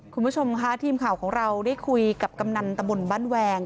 คุณผู้ชมค่ะทีมข่าวของเราได้คุยกับกำนันตะบนบ้านแวง